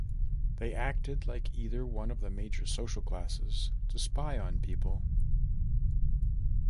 They acted like either one of the major social classes to spy on people.